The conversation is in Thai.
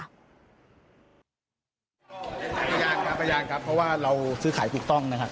พยานครับพยานครับเพราะว่าเราซื้อขายถูกต้องนะครับ